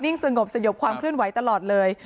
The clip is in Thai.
นิ่งสงบสะยบความคลื่นไหวตลอดเลย